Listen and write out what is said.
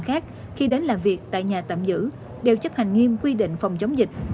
khác khi đến làm việc tại nhà tạm giữ đều chấp hành nghiêm quy định phòng chống dịch